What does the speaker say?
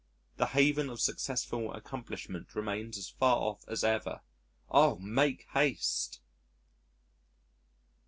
The haven of successful accomplishment remains as far off as ever. Oh! make haste.